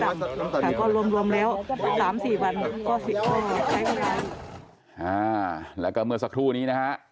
ก็รวมรวมแล้วสามสี่วันก็อ่าแล้วก็เมื่อสักครู่นี้นะคะ